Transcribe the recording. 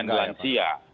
dan kemudian lansia